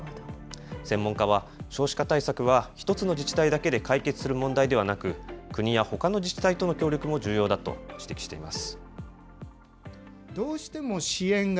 専門家は、少子化対策は、１つの自治体だけで解決する問題ではなく、国やほかの自治体との協力も重要だと指摘しています。